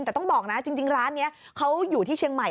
แต่ต้องบอกนะจริงร้านนี้เขาอยู่ที่เชียงใหม่